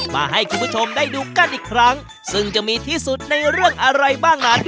มาให้คุณผู้ชมได้ดูกันอีกครั้งซึ่งจะมีที่สุดในเรื่องอะไรบ้างนั้น